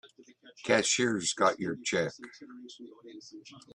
Cashier's got your check.